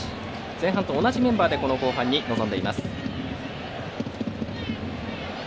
前半と同じメンバーでこの後半に臨んでいます。